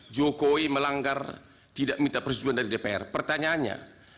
jokowi melanggar tidak minta persetujuan dari dpr pertanyaannya